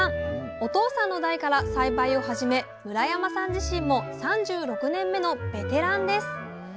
お父さんの代から栽培を始め村山さん自身も３６年目のベテランです。